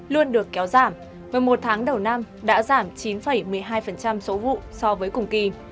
luôn được kéo giảm và một tháng đầu năm đã giảm chín một mươi hai số vụ so với cùng kỳ